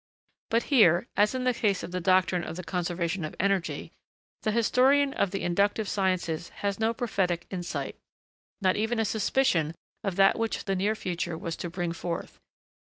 But here, as in the case of the doctrine of the conservation of energy, the historian of the inductive sciences has no prophetic insight; not even a suspicion of that which the near future was to bring forth.